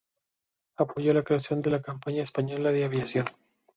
Apoyó la creación de la Compañía Española de Aviación.